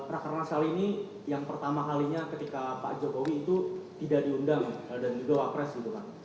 rakernas kali ini yang pertama kalinya ketika pak jokowi itu tidak diundang dan juga wapres gitu kan